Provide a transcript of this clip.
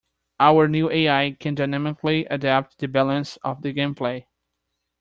Our new AI can dynamically adapt the balance of the gameplay.